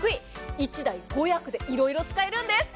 １台５役でいろいろ使えるんです。